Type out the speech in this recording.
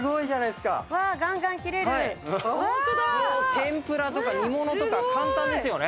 天ぷらとか煮物とか簡単ですよね。